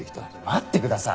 待ってください！